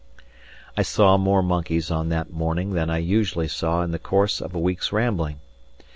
I saw more monkeys on that morning than I usually saw in the course of a week's rambling.